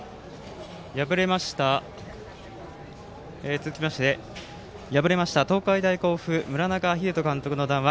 続いて、敗れました東海大甲府村中秀人監督の談話。